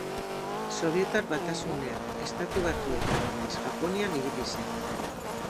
Sobietar Batasunean, Estatu Batuetan nahiz Japonian ibili zen.